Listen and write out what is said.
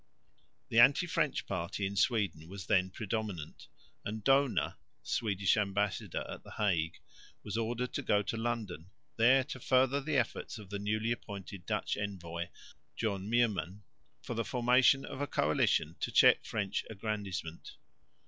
The anti French party in Sweden was then predominant; and Dohna, the Swedish ambassador at the Hague, was ordered to go to London, there to further the efforts of the newly appointed Dutch envoy, John Meerman, for the formation of a coalition to check French aggrandisement.